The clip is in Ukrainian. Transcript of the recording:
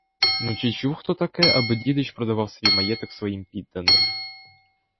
Ну, чи чув хто таке, аби дідич продавав свій маєток своїм підданим?